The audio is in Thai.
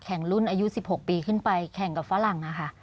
รุ่นอายุ๑๖ปีขึ้นไปแข่งกับฝรั่งค่ะ